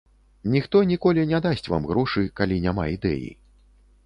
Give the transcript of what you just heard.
Ніхто ніколі не дасць вам грошы, калі няма ідэі.